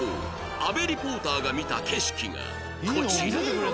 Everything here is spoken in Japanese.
阿部リポーターが見た景色がこちら